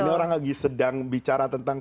orang sedang bicara tentang